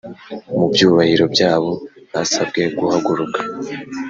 Mubyubahiro byabo basabwe guhaguruka